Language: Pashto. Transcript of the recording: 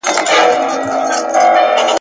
ته ورځه زه در پسې یم زه هم ژر در روانېږم ..